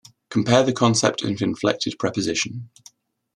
Compare the concept of inflected preposition.